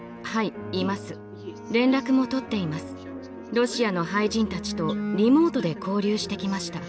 ロシアの俳人たちとリモートで交流してきました。